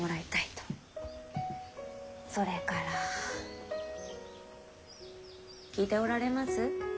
それから聞いておられます？